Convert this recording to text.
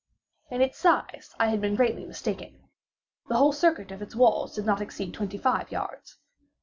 In its size I had been greatly mistaken. The whole circuit of its walls did not exceed twenty five yards.